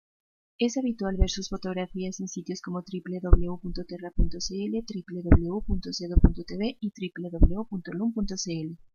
Es habitual ver sus fotografías en sitios como www.terra.cl, www.sedu.tv y www.lun.cl.